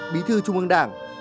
bí thư trung ương đảng